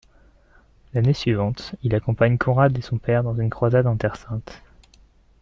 L’année suivante, il accompagne Conrad et son père dans une croisade en Terre sainte.